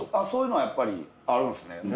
そういうのはやっぱりあるんすね。